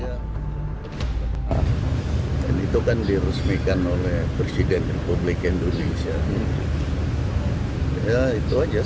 sebelumnya hindro priyono juga menghapuskan alat yang berkaitan dengan alat kesehatan